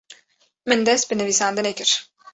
Min dest bi nivîsandinê kir.